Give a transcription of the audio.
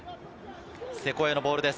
瀬古へのボールです。